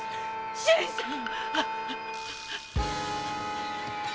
新さん！